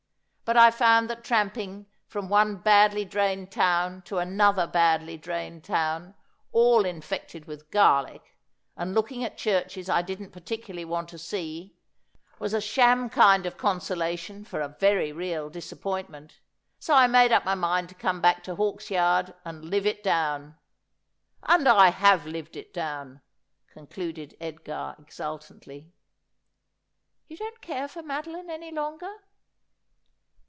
But I found that tramping from one badly drained town to another badly drained town — all infected with garlic — and looking at churches I didn't particularly want to see, was a sham kind of 'Love maketh All to gone Misway.' 69 consolation for a very real disappointment ; so I made up my mind to come back to Hawksyard and live it down. And I have lived it down,' concluded Edgar exultantly. ' You don't care for Madoline any longer